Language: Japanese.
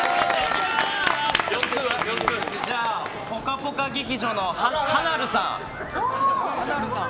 じゃあ、「ぽかぽか」劇場のはなるさん。